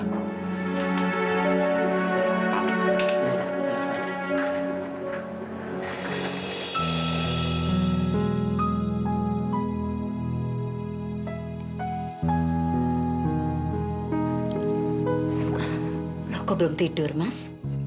kok belum tidur mas